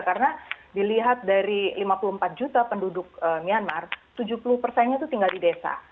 karena dilihat dari lima puluh empat juta penduduk myanmar tujuh puluh persennya itu tinggal di desa